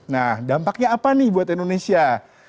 nah dampaknya apa nih buat indonesia